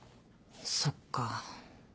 そっか。